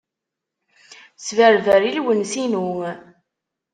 Sberber i lwens-inu.